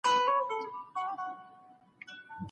د خوشحالۍ لپاره موسیقي واورئ.